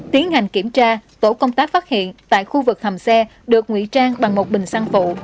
tiến hành kiểm tra tổ công tác phát hiện tại khu vực hầm xe được nguy trang bằng một bình xăng phụ